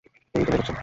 হেই, কোথায় যাচ্ছ!